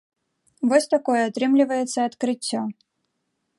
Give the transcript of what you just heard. Вось такое атрымліваецца адкрыццё.